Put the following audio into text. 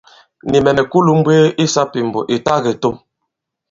Nì mɛ̀ mɛ̀ kulū m̀mbwee i sāpìmbo ì ta kitum.